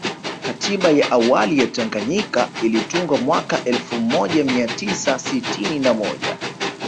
Katiba ya awali ya Tanganyika ilitungwa mwaka elfu moja mia tisa sitini na moja